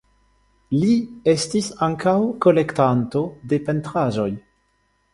Li estis ankaŭ kolektanto de pentraĵoj.